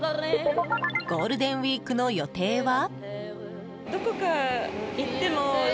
ゴールデンウィークの予定は？